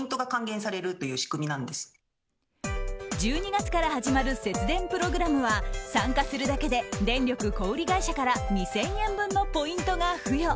１２月から始める節電プログラムは参加するだけで電力小売り会社から２０００円分のポイントが付与。